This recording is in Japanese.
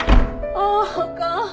あああかん。